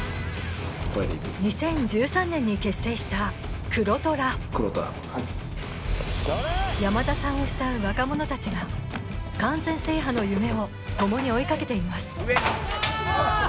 ２０１３年に結成した黒虎山田さんを慕う若者達が完全制覇の夢を共に追いかけています